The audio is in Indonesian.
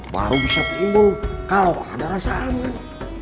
baru bisa tumbuh kalau ada rasa aman